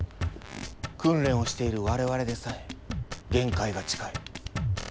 訓練をしている我々でさえ限界が近い。